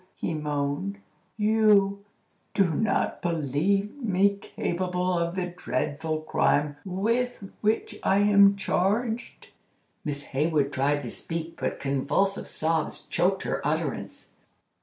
he moaned. "You do not believe me capable of the dreadful crime with which I am charged?" Miss Hayward tried to speak, but convulsive sobs choked her utterance.